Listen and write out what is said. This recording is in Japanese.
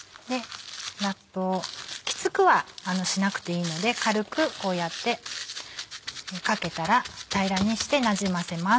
ラップをキツくはしなくていいので軽くこうやってかけたら平らにしてなじませます。